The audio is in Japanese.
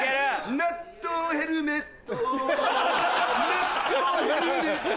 納豆ヘルメット